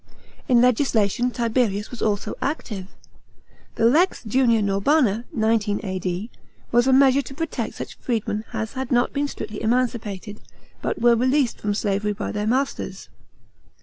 In legislation Tiberius was also active. The lex Juuia Norbana (19 A.D.) was a measure to protect such freedmen as had not been strictly emancipated, but were released from slavery by their masters.